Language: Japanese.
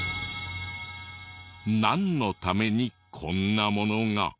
なんのためにこんなものが。